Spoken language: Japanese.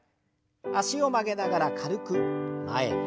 脚を曲げながら軽く前に。